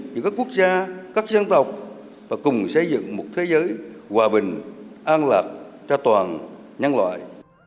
giữa các quốc gia các dân tộc và cùng xây dựng một thế giới hòa bình an lạc cho toàn nhân loại